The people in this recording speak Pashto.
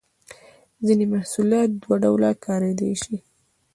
ځینې محصولات دوه ډوله کاریدای شي.